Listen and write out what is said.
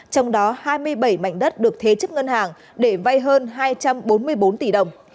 trong đó hai mươi bảy mảnh đất được thế chấp ngân hàng để vay hơn hai trăm bốn mươi bốn tỷ đồng